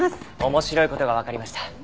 面白い事がわかりました。